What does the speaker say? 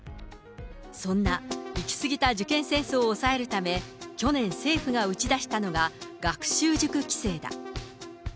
そんな行き過ぎた受験戦争を抑えるため、去年、政府が打ち出したのが、学習塾規制だ。